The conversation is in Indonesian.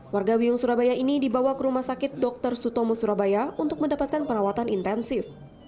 warga biung surabaya ini dibawa ke rumah sakit dr sutomo surabaya untuk mendapatkan perawatan intensif